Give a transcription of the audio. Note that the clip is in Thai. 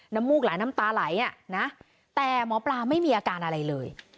มูกหลายน้ำตาไหลอ่ะนะแต่หมอปลาไม่มีอาการอะไรเลย